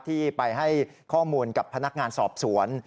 ที่ไปให้ข้อมูลกับพนักงานสอบสวน